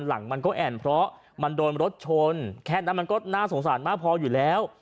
หลังมันก็แอ่นเพราะมันโดนรถชนแค่นั้นมันก็น่าสงสารมากพออยู่แล้ว